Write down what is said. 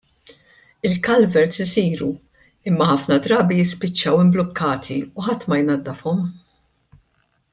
Il-culverts isiru imma ħafna drabi jispiċċaw imblukkati u ħadd ma jnaddafhom.